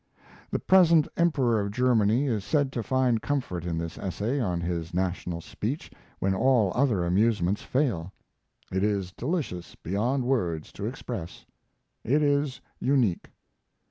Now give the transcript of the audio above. The present Emperor of Germany is said to find comfort in this essay on his national speech when all other amusements fail. It is delicious beyond words to express; it is unique.